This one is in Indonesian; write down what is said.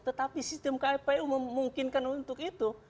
tetapi sistem kpu memungkinkan untuk itu